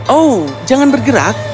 oh jangan bergerak